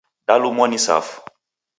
Dalumwa ni safu.